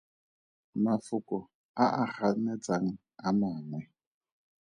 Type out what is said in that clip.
Mafoko a a ganetsang a mangwe.